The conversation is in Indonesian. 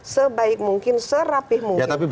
sebaik mungkin serapih mungkin